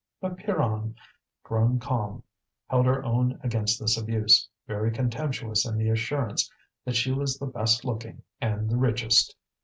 But Pierronne, grown calm, held her own against this abuse, very contemptuous in the assurance that she was the best looking and the richest.